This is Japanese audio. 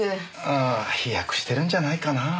ああ飛躍してるんじゃないかな。